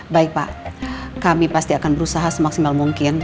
baik pak kami pasti akan berusaha semaksimal mungkin